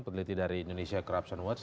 peneliti dari indonesia corruption watch